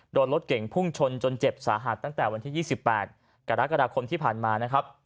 รถเก่งพุ่งชนจนเจ็บสาหัสตั้งแต่วันที่๒๘กรกฎาคมที่ผ่านมานะครับ